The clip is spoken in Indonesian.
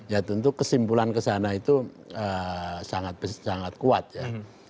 ya tentu kesimpulan kesana itu sangat kuat ya